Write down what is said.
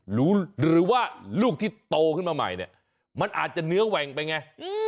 หรือว่าลูกที่โตขึ้นมาใหม่เนี่ยมันอาจจะเนื้อแหว่งไปไง